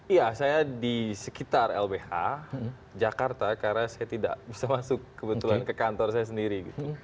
iya saya di sekitar lbh jakarta karena saya tidak bisa masuk kebetulan ke kantor saya sendiri gitu